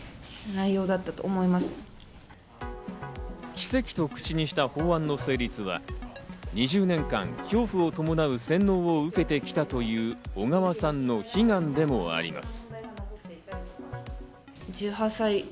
「奇跡」と口にした法案の成立は、２０年間、恐怖を伴う洗脳を受けてきたという小川さんの悲願でもあります。